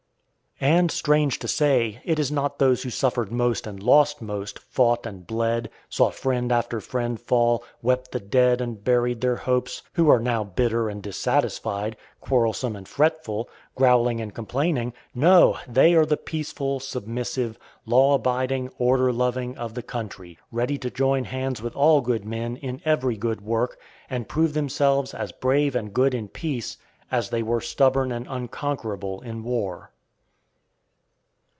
And, strange to say, it is not those who suffered most and lost most, fought and bled, saw friend after friend fall, wept the dead and buried their hopes, who are now bitter and dissatisfied, quarrelsome and fretful, growling and complaining; no, they are the peaceful, submissive, law abiding, order loving, of the country, ready to join hands with all good men in every good work, and prove themselves as brave and good in peace as they were stubborn and unconquerable in war.